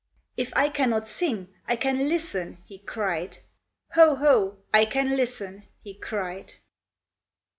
*'If I cannot sing, I can listen," he cried ;" Ho ! ho ! I can listen !" he cried.